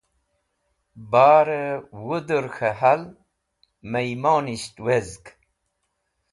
Barẽ wũdur k̃hẽ hal miymonisht wezg.